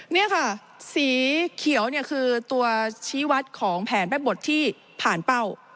นี่ค่ะสีเขียวเนี่ยคือตัวชี้วัดของแผนแม่บทที่ผ่านเป้า